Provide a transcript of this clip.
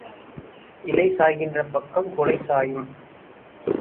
இலை சாய்கிற பக்கம் குலை சாயும்.